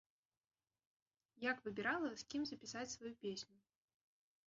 Як выбірала, з кім запісаць сваю песню?